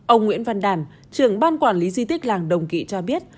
ông nguyễn văn đàn trưởng ban quản lý di tích làng đồng kỵ cho biết